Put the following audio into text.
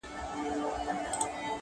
یوه ورځ په دې جرګه کي آوازه سوه-